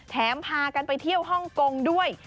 พากันไปเที่ยวฮ่องกงด้วย